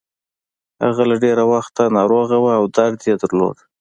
هغه له ډېره وخته ناروغه وه او درد يې درلود.